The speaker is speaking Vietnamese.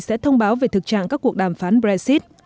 sẽ thông báo về thực trạng các cuộc đàm phán brexit